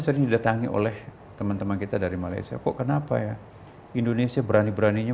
sering didatangi oleh teman teman kita dari malaysia kok kenapa ya indonesia berani beraninya